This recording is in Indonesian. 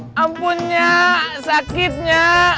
eh ampun ya sakitnya